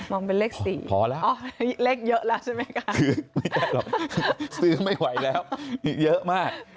มองเป็นเลข๔นะพอแล้วคือไม่ได้หรอกซื้อไม่ไหวแล้วมีเยอะมาก